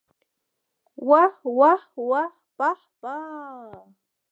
واه واه واه پاه پاه!